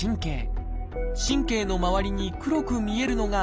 神経の周りに黒く見えるのがじん帯。